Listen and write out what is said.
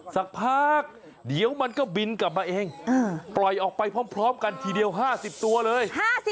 สักพักเดี๋ยวมันก็บินกลับมาเองปล่อยออกไปพร้อมกันทีเดียว๕๐ตัวเลย